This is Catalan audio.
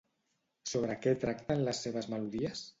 Sobre què tracten les seves melodies?